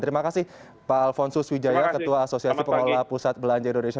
terima kasih pak alfonsus wijaya ketua asosiasi pengelola pusat belanja indonesia